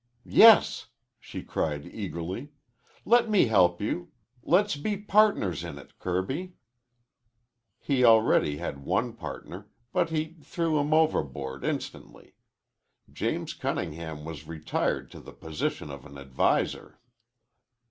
"Yes!" she cried eagerly. "Let me help you. Let's be partners in it, Kirby." He already had one partner, but he threw him overboard instantly. James Cunningham was retired to the position of an adviser.